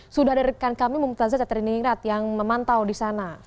sudah ada rekan kami mung taza caterinirat yang memantau di sana